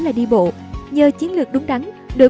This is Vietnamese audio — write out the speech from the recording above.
là đi bộ nhờ chiến lược đúng đắn đội